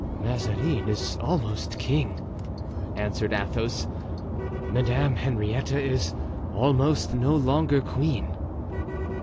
"Mazarin is almost king," answered Athos; "Madame Henrietta is almost no longer queen."